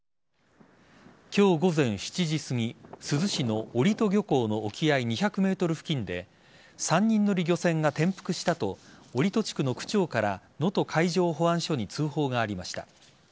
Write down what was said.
今日午前７時すぎ珠洲市の折戸漁港の沖合２００ｍ付近で３人乗り漁船が転覆したと折戸地区の区長から能登海上保安署に通報がありました。